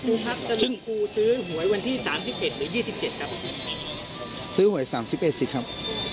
ซึ่งครูซื้อหวยวันที่สามสิบเอ็ดหรือยี่สิบเจ็ดครับซื้อหวยสามสิบเอ็ดสิครับ